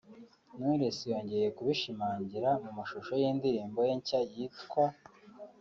Knowless yongeye kubishimangira mu mashusho y’indirimbo ye nshya yitwa